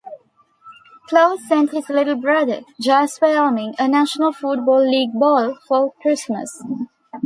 Claus sent his little brother, Jesper Elming, a National Football League ball for Christmas.